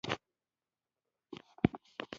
اګزوکراین غدې ځانګړې مجرا یا کانال لري.